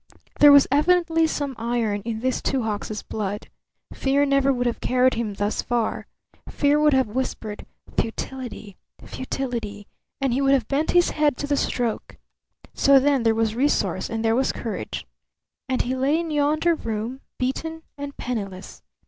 There was evidently some iron in this Two Hawks' blood. Fear never would have carried him thus far. Fear would have whispered, "Futility! Futility!" And he would have bent his head to the stroke. So then there was resource and there was courage. And he lay in yonder room, beaten and penniless.